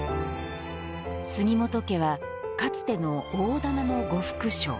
杉本家は、かつての大店の呉服商。